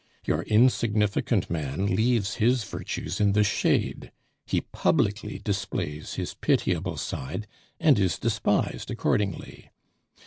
Your insignificant man leaves his virtues in the shade; he publicly displays his pitiable side, and is despised accordingly.